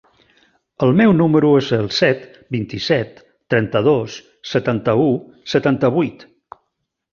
El meu número es el set, vint-i-set, trenta-dos, setanta-u, setanta-vuit.